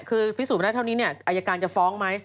คือพิสูจนมาได้เท่านี้เนี่ยอายการจะฟ้องไหม